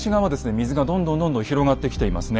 水がどんどんどんどん広がってきていますね。